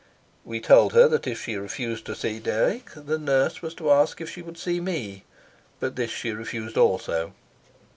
We had told her that if she refused to see Dirk the nurse was to ask if she would see me, but this she refused also.